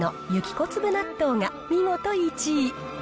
こつぶ納豆が見事１位。